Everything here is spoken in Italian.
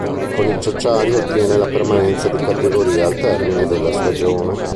Con i ciociari ottiene la permanenza di categoria al termine della stagione.